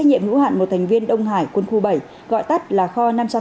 công ty trách nhiệm ngũ hạn một thành viên đông hải quân khu bảy gọi tắt là kho năm trăm tám mươi